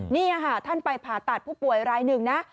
นี่ค่ะท่านไปผ่าตัดผู้ป่วยรายหนึ่งนะ